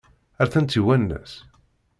Ad tent-iwanes?